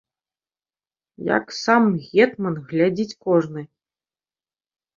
Як сам гетман, глядзіць кожны!